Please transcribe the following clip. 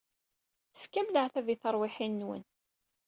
Tefkam leɛtab i terwiḥin-nwen.